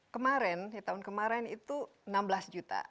kemaren ya tahun kemarin itu enam belas juta